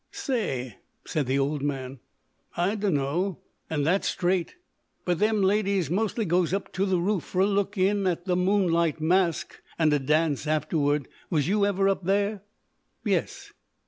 "Say," said the old man, "I dunno, and that's straight. But them ladies mostly goes up to the roof for a look in at the 'Moonlight Masque' and a dance afterward. Was you ever up there?" "Yes."